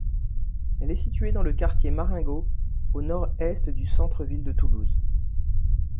Elle est située dans le quartier Marengo, au nord-est du centre-ville de Toulouse.